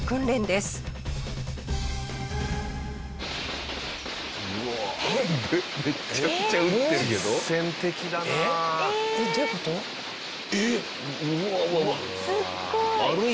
すごい！